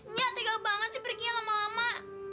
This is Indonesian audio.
nyatanya gak banget sih perginya lama lama